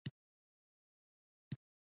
غویي خپلې میښې ته وویل چې سبا به رخصتي اخلي.